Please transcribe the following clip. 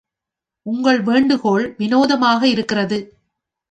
உங்கள் வேண்டுகோள் விநோதமாக இருக்கிறது.